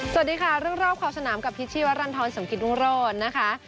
สวัสดีค่ะเรื่องรอบความสนามกับพิษชีวรรณฑรสมกิษวงศ์โรงโลกนะคะ